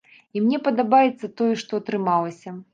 І мне падабаецца тое, што атрымалася.